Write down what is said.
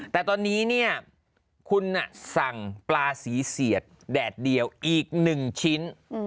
แต่ตอนนี้เนี่ยคุณสั่งปลาสีเสียดแดดเดียวอีก๑ชิ้น